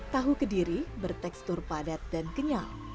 tahu kediri bertekstur padat dan kenyal